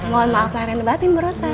mohon maaf lahirin batin berosak